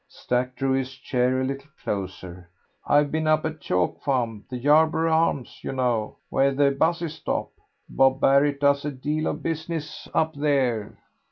Stack drew his chair a little closer. "I've been up at Chalk Farm, the 'Yarborough Arms'; you know, where the 'buses stop. Bob Barrett does a deal of business up there.